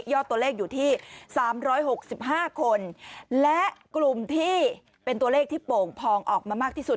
ตัวเลขอยู่ที่๓๖๕คนและกลุ่มที่เป็นตัวเลขที่โป่งพองออกมามากที่สุด